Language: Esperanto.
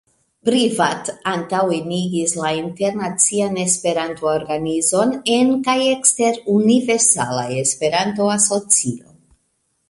Privat antaŭenigis la internacian Esperanto-organizon en kaj ekster Universala Esperanto-Asocio.